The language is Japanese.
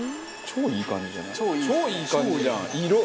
超いい感じじゃん色。